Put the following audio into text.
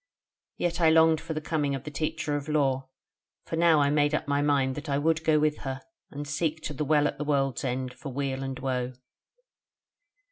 Yet I longed for the coming of the Teacher of Lore; for now I made up my mind that I would go with her, and seek to the Well at the World's End for weal and woe.